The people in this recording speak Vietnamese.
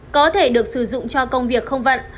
có thể được sử dụng cho công việc không vận